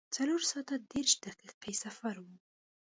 څلور ساعته دېرش دقیقې سفر و.